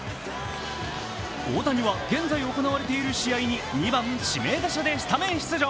大谷は現在行われている試合に２番・指名打者でスタメン出場。